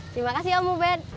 terima kasih om ubed